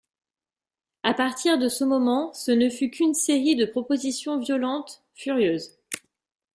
A partir de ce moment, ce ne fut qu'une série de propositions violentes, furieuses.